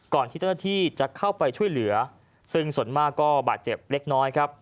ที่เจ้าหน้าที่จะเข้าไปช่วยเหลือซึ่งส่วนมากก็บาดเจ็บเล็กน้อยครับ